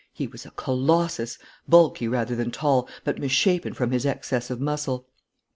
He was a colossus; bulky rather than tall, but misshapen from his excess of muscle.